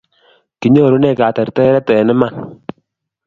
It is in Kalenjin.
Kinyorune katerteret en iman